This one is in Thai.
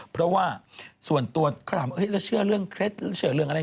เพราะว่าส่วนตัวเขาถามแล้วเชื่อเรื่องเคล็ดอะไร